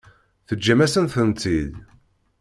Teǧǧam-asen-tent-id.